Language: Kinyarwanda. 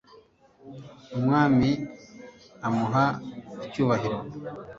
umwami amuha icyubahiro